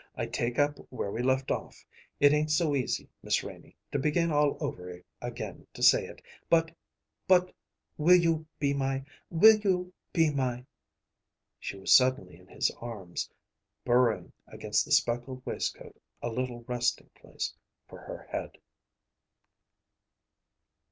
I take up where we left off. It ain't so easy, Miss Renie, to begin all over again to say it, but but will you be my will you be my " She was suddenly in his arms, burrowing against the speckled waistcoat a little resting place for her head.